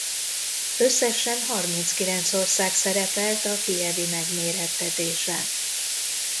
Összesen harminckilenc ország szerepelt a kijevi megmérettetésen.